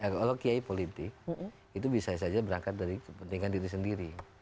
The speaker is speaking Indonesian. kalau kiai politik itu bisa saja berangkat dari kepentingan diri sendiri